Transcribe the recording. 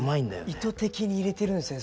意図的に入れてるんですね